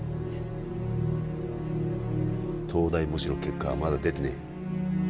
東大模試の結果はまだ出てねえ